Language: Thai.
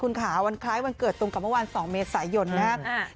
คุณค่ะวันคล้ายวันเกิดตรงกับเมื่อวาน๒เมษายนนะครับ